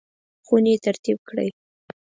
خونې ترتیب کړئ